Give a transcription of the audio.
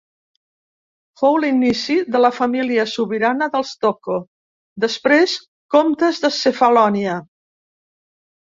Fou l'inici de la família sobirana dels Tocco, després comtes de Cefalònia.